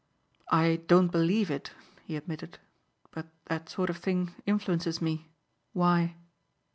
"I don't believe it," he admitted, "but that sort of thing influences me. Why?"